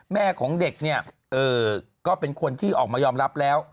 แม่ของเด็กเนี่ยก็เป็นคนที่ออกมายอมรับแล้ว